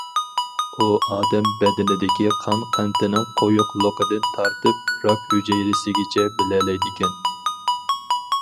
ئۇ ئادەم بەدىنىدىكى قان قەنتىنىڭ قويۇقلۇقىدىن تارتىپ راك ھۈجەيرىسىگىچە بىلەلەيدىكەن.